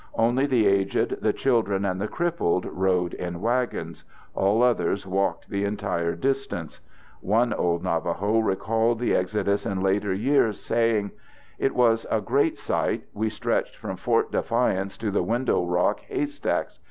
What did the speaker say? Only the aged, the children, and the crippled rode in wagons—all others walked the entire distance. One old Navajo recalled the exodus in later years, saying: _It was a great sight, we stretched from Fort Defiance to the Window Rock 'haystacks'